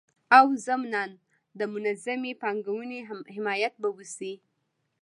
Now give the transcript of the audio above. او ضمنان د منظمي پانګوني حمایت به وسي